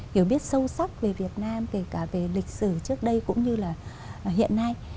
hiểu biết sâu sắc về việt nam kể cả về lịch sử trước đây cũng như là hiện nay